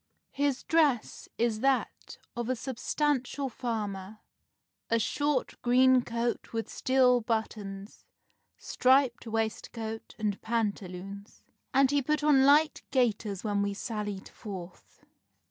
His dress is that of a substantial farmer, a short green coat with steel buttons, striped waistcoat and pantaloons, and he put on light gaiters when we sallied forth."